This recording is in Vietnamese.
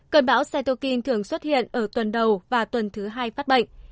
cơn bão setukin thường xuất hiện ở tuần đầu và tuần thứ hai phát bệnh